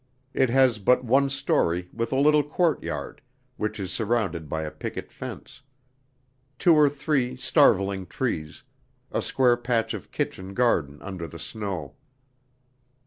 It has but one story with a little courtyard which is surrounded by a picket fence; two or three starveling trees, a square patch of kitchen garden under the snow.